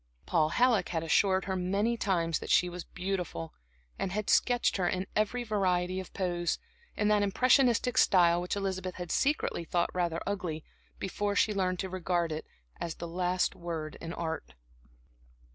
Paul Halleck had assured her many times that she was beautiful, and had sketched her in every variety of pose, in that impressionistic style which Elizabeth had secretly thought rather ugly, before she learned to regard it as the last word in Art.